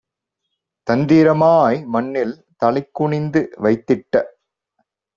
தந்திரமாய் மண்ணில் தலைகுனிந்து வைத்திட்ட